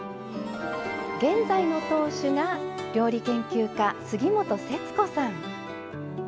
現在の当主が料理研究家・杉本節子さん。